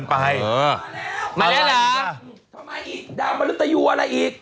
ดาวบริตยูอะไรอีก